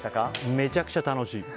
めちゃくちゃ楽しい。